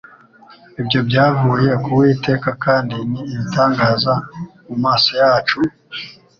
Ibyo byavuye k’Uwiteka kandi ni ibitangaza mu maso yacu ?»